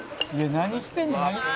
何してんの？」